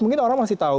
mungkin orang masih tahu